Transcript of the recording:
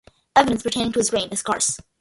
Evidence pertaining to his reign is scarce.